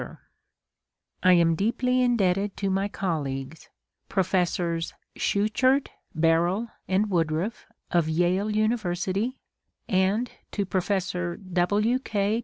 vu viii PREFACE I am deeply indebted to my colleagues, Professors Schuchert, Barrell, and Woodruff of Yale University, and to Professor W. K.